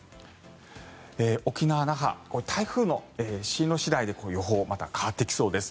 沖縄・那覇台風の進路次第で予報まだ変わってきそうです。